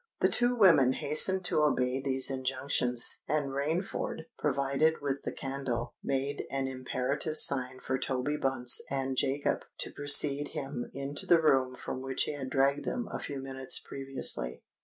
The two women hastened to obey these injunctions; and Rainford, provided with the candle, made an imperative sign for Toby Bunce and Jacob to precede him into the room from which he had dragged them a few minutes previously.